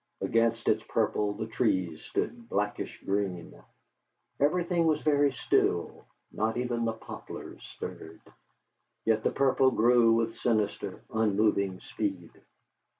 Against its purple the trees stood blackish green. Everything was very still, not even the poplars stirred, yet the purple grew with sinister, unmoving speed.